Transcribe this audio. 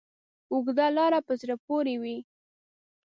اوږده لاره په زړه پورې وي.